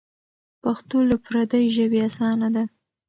پښتو له پردۍ ژبې اسانه ده.